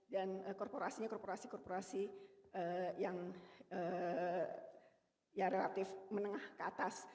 dan korporasinya korporasi korporasi yang relatif menengah ke atas